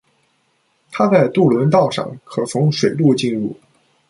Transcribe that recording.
它在渡轮道上，可从水路进入。